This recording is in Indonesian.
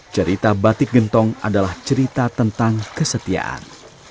cerita batik gentong adalah cerita tentang kesetiaan